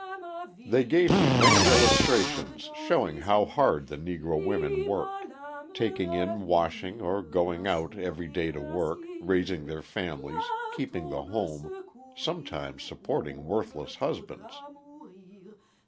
They gave me many illustrations showing how hard the Negro women worked taking in washing or going out every day to work, raising their families, keeping the home, sometimes supporting worthless husbands.